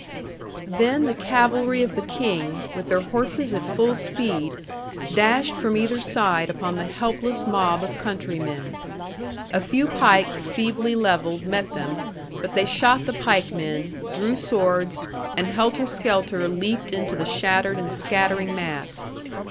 Then the cavalry of the King, with their horses at full speed, dashed from either side upon the helpless mob of countrymen. A few pikes feebly levelled met them; but they shot the pikemen, drew swords, and helter skelter leaped into the shattered and scattering mass.